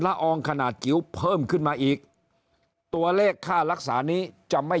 อองขนาดจิ๋วเพิ่มขึ้นมาอีกตัวเลขค่ารักษานี้จะไม่